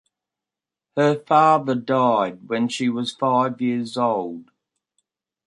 Her father died when she was five years old.